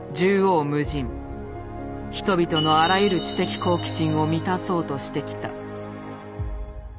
人々のあらゆる知的好奇心を満たそうとしてきた。